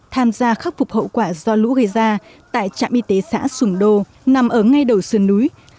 tham gia khắc phục hậu quả do lũ gây ra tại trạm y tế xã sùng đô nằm ở ngay đầu sườn núi